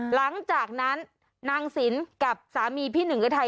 หลังจากนั้นนางสินกับสามีพี่หนึ่งฤทัย